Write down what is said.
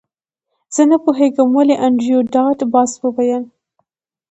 زه نه پوهیږم ولې انډریو ډاټ باس وویل